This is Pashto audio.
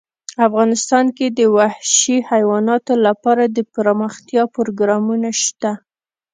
افغانستان کې د وحشي حیواناتو لپاره دپرمختیا پروګرامونه شته.